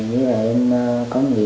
với lại em có gì